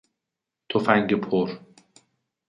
تفنگ پر